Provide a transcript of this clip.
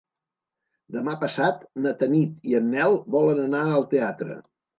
Demà passat na Tanit i en Nel volen anar al teatre.